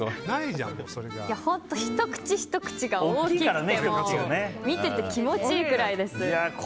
ひと口ひと口が大きくて見てて気持ちいいくらいです。